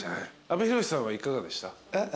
阿部寛さんはいかがでした？